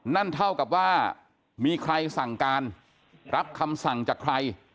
นั่นเท่ากับว่ามีใครสั่งการรับคำสั่งจากใคร